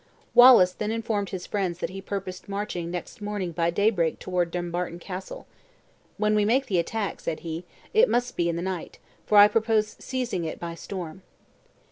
Wallace then informed his friends he purposed marching next morning by daybreak toward Dumbarton Castle. "When we make the attack," said he, "it must be in the night; for I propose seizing it by storm."